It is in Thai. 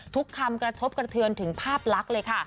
คำกระทบกระเทือนถึงภาพลักษณ์เลยค่ะ